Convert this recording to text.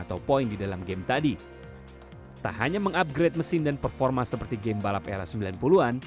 tidak hanya mengupgrade mesin dan performa seperti game balap era sembilan puluh an